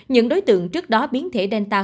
những đối tượng trước đó biến thể delta